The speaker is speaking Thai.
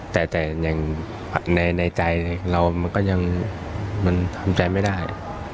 แต่ในใจเราก็ยังทำใจไม่ได้